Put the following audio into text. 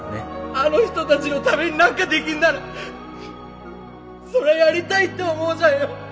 あの人たちのために何かできんならそれはやりたいって思うじゃんよ。